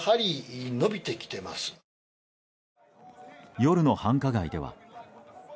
夜の繁華街では。